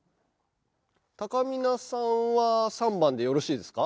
たかみなさんは３番でよろしいですか？